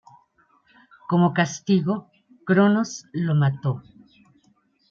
Como castigo, Cronos lo mató.